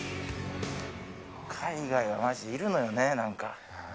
海外はまじ、いるのよね、なんか。